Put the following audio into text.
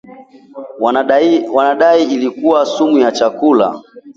wanadai ilikuwa sumu ya chakula